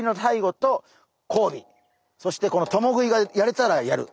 そしてこの共食いがやれたらやる。